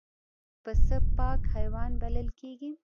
پسه پاک حیوان بلل کېږي.